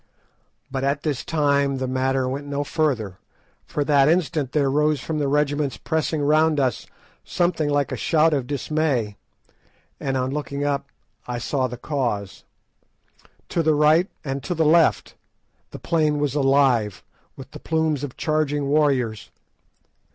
But at this time the matter went no further, for that instant there rose from the regiments pressing round us something like a shout of dismay, and on looking up I saw the cause. To the right and to the left the plain was alive with the plumes of charging warriors.